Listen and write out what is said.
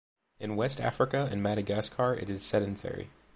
In west Africa and Madagascar it is sedentary.